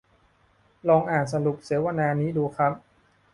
ลองอ่านสรุปเสวนานี้ดูครับ